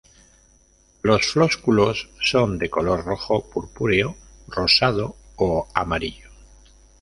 Los flósculos son de color rojo, purpúreo, rosado o amarillo.